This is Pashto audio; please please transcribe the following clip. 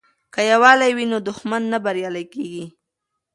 که یووالي وي نو دښمن نه بریالی کیږي.